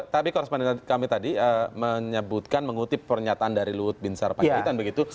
tapi korresponden kami tadi menyebutkan mengutip pernyataan dari luhut bin sarpanjaitan begitu